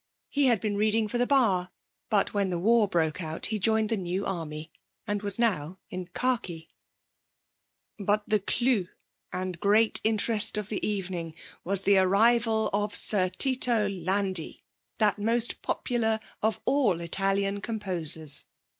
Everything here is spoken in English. He had been reading for the Bar, but when the war broke out he joined the New Army, and was now in khaki. But the clou and great interest of the evening was the arrival of Sir Tito Landi, that most popular of all Italian composers.